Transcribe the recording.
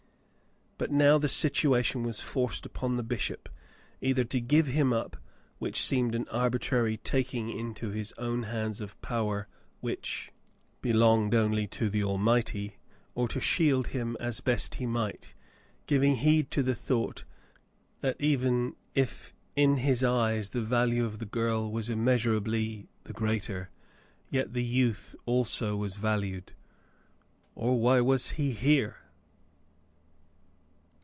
But now the situation was forced upon the bishop, either to give him up, which seemed an arbitrary taking into his own hands of power which belonged only to the Almighty, or to shield him as best he might, giving heed to the thought that even if in his eyes the value of the girl was immeasurably the greater, yet the youth also was valued, or why was he here